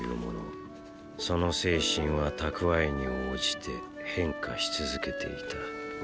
その精神は蓄えに応じて変化し続けていた。